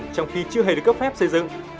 trong khi chưa hề được cấp phép xây dựng